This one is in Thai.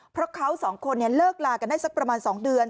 เพราะเขาสองคนเลิกลากันได้สักประมาณ๒เดือน